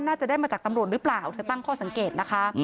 น่าจะได้มาจากตำรวจหรือเปล่าเธอตั้งข้อสังเกตนะคะ